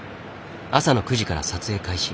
朝の９時から撮影開始。